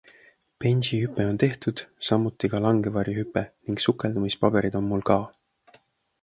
Benji-hüpe on tehtud, samuti ka langevarjuhüpe ning sukeldumispaberid on mul ka.